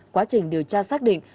quá trình điều tra xác định